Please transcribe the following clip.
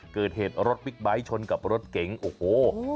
เกิดเหตุรถบิ๊กไบท์ชนกับรถเก๋งโอ้โห